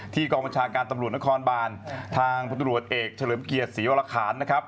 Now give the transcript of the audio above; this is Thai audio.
ที่กองประชาการตำรวจนครบาลทางพอเอกฉลิมเกียจสีวารวาร์คาน